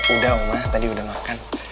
udah mah tadi udah makan